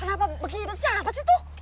kenapa begitu siapa sih tuh